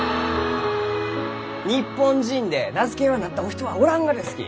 日本人で名付け親になったお人はおらんがですき！